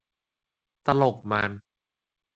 ตลกมัน